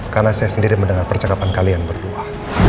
karena saya sendiri mendengar percakapan kalian berdua